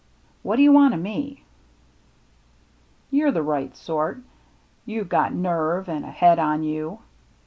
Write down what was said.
" What do you want o' me ?" "You're the right sort — you've got nerve an' a head on you.